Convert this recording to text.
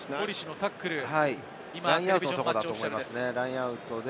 ラインアウトのところだと思います。